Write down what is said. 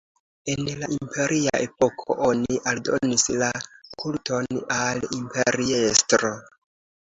En la imperia epoko oni aldonis la kulton al imperiestro.